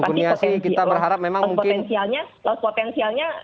bukurnia sih kita berharap memang mungkin potensialnya